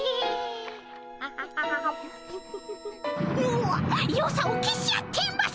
のわっよさを消し合っています。